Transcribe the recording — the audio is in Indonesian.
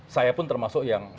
saya pun termasuk yang